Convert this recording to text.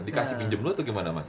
dikasih pinjam dulu atau gimana mas